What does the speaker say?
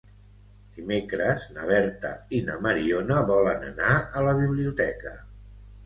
Dimecres na Berta i na Mariona volen anar a la biblioteca.